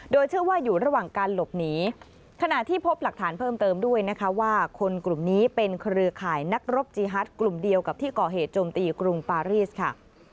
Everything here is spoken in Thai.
โดยเชื่อว่าอยู่ระหว่างการหลบหนีขณะที่พบหลักฐานเพิ่มเติมด้วยนะคะว่าคนกลุ่มนี้เป็นเครือข่ายนักรบจีฮัทกลุ่มเดียวกับที่ก่อเหตุโจมตีกรุงปารีสค่ะ